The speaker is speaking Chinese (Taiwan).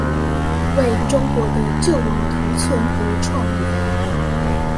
為中國的救亡圖存而創立